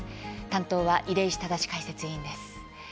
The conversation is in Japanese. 担当は出石直解説委員です。